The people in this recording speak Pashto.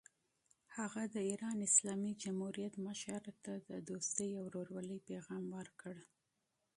هغه د ایران اسلامي جمهوریت مشر ته د دوستۍ او ورورولۍ پیغام ورکړ.